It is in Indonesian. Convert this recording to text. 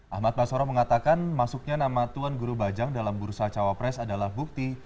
ahmad basaro mengatakan masuknya nama tuan guru bajang dalam bursa cawapres adalah bukti